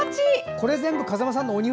これ全部風間さんのお庭？